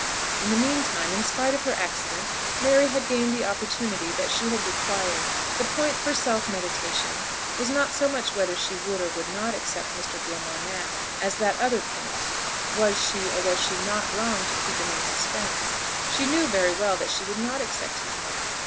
In the mean time, in spite of her accident, Mary had gained the opportunity that she had required. The point for self meditation was not so much whether she would or would not accept Mr. Gilmore now, as that other point; was she or was she not wrong to keep him in suspense. She knew very well that she would not accept him now.